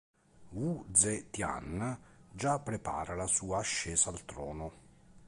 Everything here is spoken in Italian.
Wu Ze Tian già prepara la sua ascesa al trono.